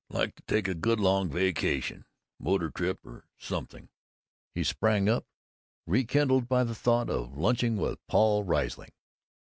Like to take a good long vacation. Motor trip. Something." He sprang up, rekindled by the thought of lunching with Paul Riesling.